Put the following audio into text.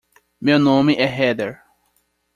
Meu nome é Heather.